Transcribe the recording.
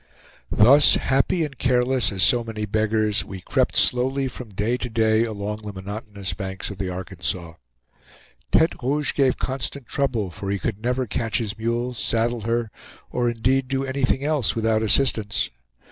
Thus, happy and careless as so many beggars, we crept slowly from day to day along the monotonous banks of the Arkansas. Tete Rouge gave constant trouble, for he could never catch his mule, saddle her, or indeed do anything else without assistance.